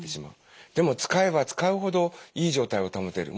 でも使えば使うほどいい状態を保てる。